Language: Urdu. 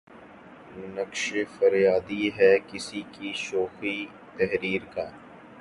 نقش فریادی ہے کس کی شوخیٴ تحریر کا؟